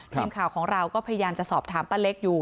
ทีมข่าวของเราก็พยายามจะสอบถามป้าเล็กอยู่